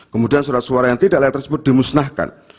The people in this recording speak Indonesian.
kemudian surat suara yang tidak layak tersebut dimusnahkan